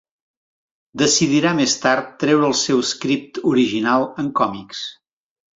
Decidirà més tard treure el seu script original en còmics.